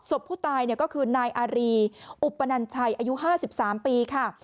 ศพผู้ตายก็คือนายอารีอุปนัญชัยอายุ๕๓ปีค่ะ